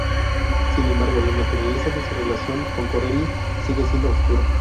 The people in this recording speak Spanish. Sin embargo, la naturaleza de su relación con Corelli sigue siendo oscura.